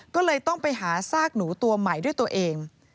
ก็เลยต้องไปหาซากหนูตัวใหม่ด้วยตัวเอง